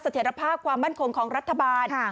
สถิษฐภาพความมั่นคงของรัฐบาลค่ะ